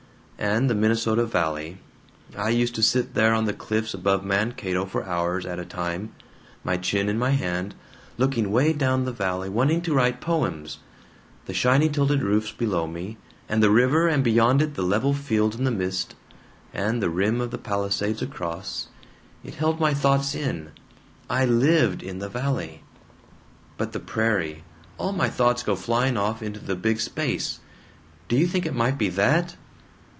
And the Minnesota Valley I used to sit there on the cliffs above Mankato for hours at a time, my chin in my hand, looking way down the valley, wanting to write poems. The shiny tilted roofs below me, and the river, and beyond it the level fields in the mist, and the rim of palisades across It held my thoughts in. I LIVED, in the valley. But the prairie all my thoughts go flying off into the big space. Do you think it might be that?"